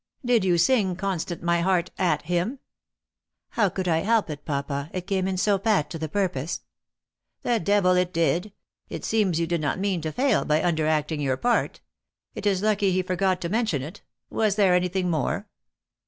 " Did you sing Constant my heart at him ?"" How could I help it, papa, it came in so pat to the purpose ?"" The devil it did ! It seems you did not mean to fail, by under acting your part. It is lucky he forgot to mention it. Was there any thing more?"